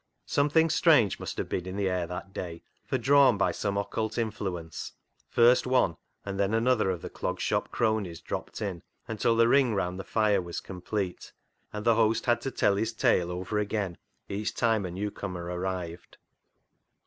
Something strange must have been in the air that day, for, drawn by some occult influence, first one and then another of the Clog Shop cronies dropped in until the ring round the fire was complete, and the host had to tell his tale over again each time a newcomer arrived.